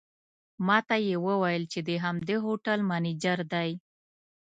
ماته یې وویل چې د همدې هوټل منیجر دی.